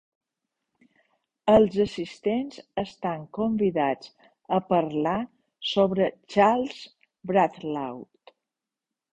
Els assistents estan convidats a parlar sobre Charles Bradlaugh.